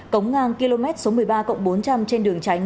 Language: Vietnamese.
cống ngang km số một mươi ba cộng bốn trăm linh trên đường tránh